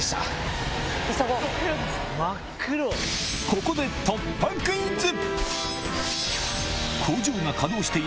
ここで突破クイズ！